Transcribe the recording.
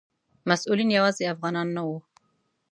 مسؤلین یوازې افغانان نه وو.